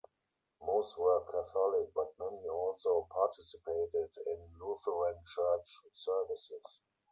Most were Catholic but many also participated in Lutheran church services.